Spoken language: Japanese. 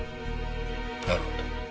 なるほど。